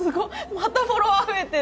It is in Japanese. またフォロワー増えてる。